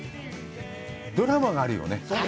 ドラマがあるよね。